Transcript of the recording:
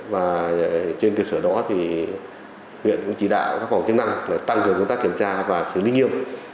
và trên cơ sở đó thì huyện cũng chỉ đạo các phòng chức năng tăng cường công tác kiểm tra và xử lý nghiêm